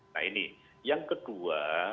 nah ini yang kedua